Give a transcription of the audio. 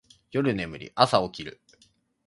夜眠り、朝起きる